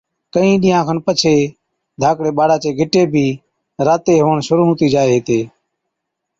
ڪهِين ڏِينهان کن پڇي ڌاڪڙي ٻاڙا چي گِٽي بِي راتي هُوَڻ شرُوع هُتِي جائي هِتي